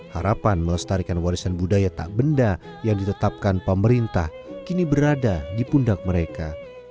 harapan melestarikan warisan budaya tak benda yang ditetapkan pemerintah kini berada di pundak mereka